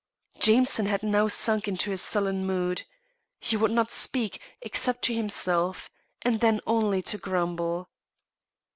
Jameson had now sunk into a sullen mood. He would not speak, except to himself, and then only to grumble.